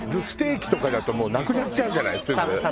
ステーキとかだとなくなっちゃうじゃないすぐ。